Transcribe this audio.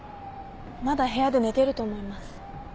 まだ部屋で寝てると思います。